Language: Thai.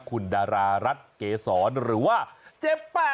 คุณดารารัฐเกษรหรือว่าเจ็บ๘